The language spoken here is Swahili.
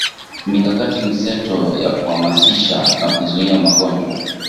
mikakati mseto ya kuhamasisha na kuzuia magonjwa